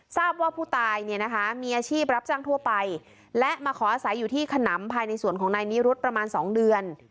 ทราบว่าผู้ตายเนี่ยนะคะมีอาชีพรับจ้างทั่วไปและมาขออาศัยอยู่ที่ขนำภายในสวนของนายนิรุธประมาณ๒เดือน